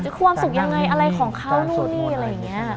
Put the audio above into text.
ความสุขยังไงอะไรของเขานู่นนี่อะไรอย่างนี้